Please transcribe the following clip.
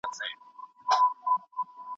موږ خپل مسؤليت په سمه توګه پېژندلی دی.